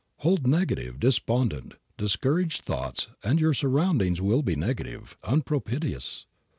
Hold negative, despondent, discouraged thoughts and your surroundings will be negative, unpropitious.